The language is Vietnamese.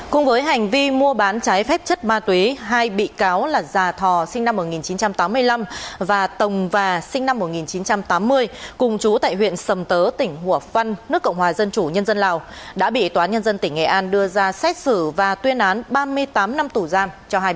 cùng với hành vi mua bán trái phép chất ma túy hai bị cáo là già thò sinh năm một nghìn chín trăm tám mươi năm và tổng và sinh năm một nghìn chín trăm tám mươi cùng chú tại huyện sầm tớ tỉnh hủa phăn nước cộng hòa dân chủ nhân dân lào đã bị tòa nhân dân tỉnh nghệ an đưa ra xét xử và tuyên án ba mươi tám năm tù giam